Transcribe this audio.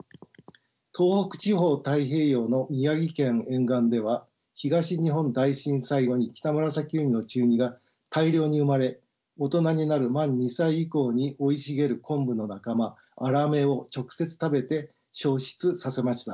東北地方太平洋の宮城県沿岸では東日本大震災後にキタムラサキウニの稚ウニが大量に生まれ大人になる満２歳以降に生い茂るコンブの仲間アラメを直接食べて消失させました。